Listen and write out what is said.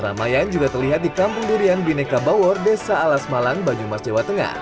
ramaian juga terlihat di kampung durian bineka bawor desa alas malang banyumas jawa tengah